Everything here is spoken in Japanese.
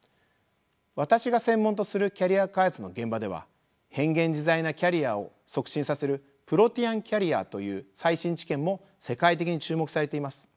私が専門とするキャリア開発の現場では変幻自在なキャリアを促進させるプロティアン・キャリアという最新知見も世界的に注目されています。